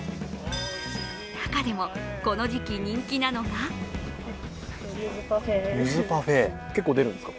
中でもこの時期人気なのが結構出るんですか？